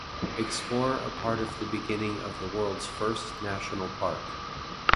Explore a part of the beginning of the world's first national park.